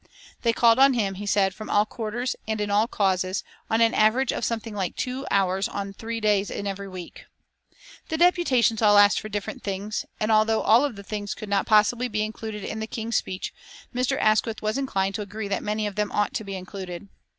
They called on him, he said, "from all quarters and in all causes, on an average of something like two hours on three days in every week." The deputations all asked for different things, and, although all of the things could not possibly be included in the King's speech, Mr. Asquith was inclined to agree that many of them ought to be included.